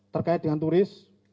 terkait dengan turis